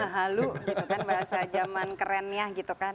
halu gitu kan bahasa zaman kerennya gitu kan